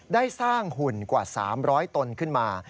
ได้สร้างหุ่นกว่า๓๐๐ตนขึ้นมา